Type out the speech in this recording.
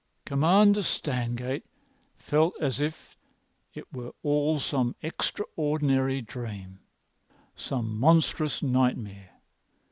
Commander Stangate felt as if it were all some extraordinary dream—some monstrous nightmare.